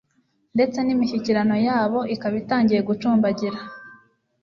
ndetse n'imishyikirano yabo ikaba itangiye gucumbagira